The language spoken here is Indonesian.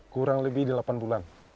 kurang lebih delapan bulan